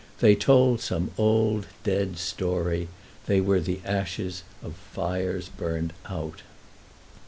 They told some old, dead story—they were the ashes of fires burned out.